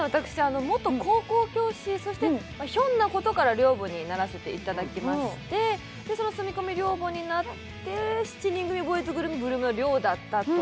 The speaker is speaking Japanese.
元高校教師、そして、ひょんなことから寮母にならせていただきましてその住み込み寮母になって７人組ボーイズグループの寮だったと。